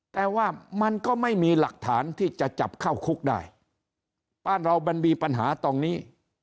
แต่ว่ามันก็ไม่มีหลักฐานที่จะจับเข้าคุกได้บ้านเรามันมีปัญหาตรงนี้